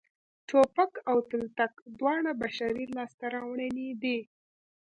ټوپک او تلتک دواړه بشري لاسته راوړنې دي